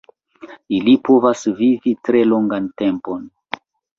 Ili povas vivi tre longan tempon.